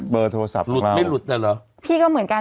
เบอร์โทรศัพท์หลุดไม่หลุดน่ะเหรอพี่ก็เหมือนกัน